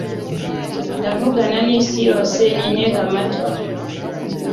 Ndavugana n'isi yose nintege amatwi